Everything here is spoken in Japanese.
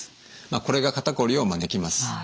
これが肩こりを招きます。